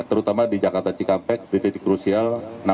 terutama di jakarta cikampek di titik krusial enam puluh enam